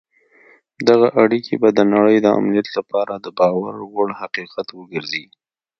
دغه اړیکي به د نړۍ د امنیت لپاره د باور وړ حقیقت وګرځي.